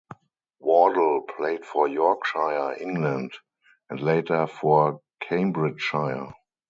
Wardle played for Yorkshire, England, and later for Cambridgeshire.